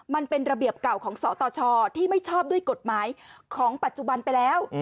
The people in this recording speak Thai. มันเป็นระเบียบเก่าของสตชที่ไม่ชอบด้วยกฎหมายของปัจจุบันไปแล้ว